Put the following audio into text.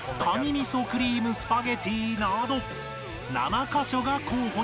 みそクリームスパゲティなど７カ所が候補に